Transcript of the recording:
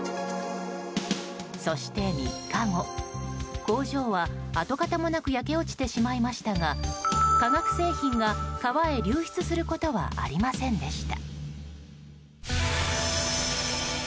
そして、３日後工場は跡形もなく焼け落ちてしまいましたが化学製品が川へ流出することなく鎮火されたのでした。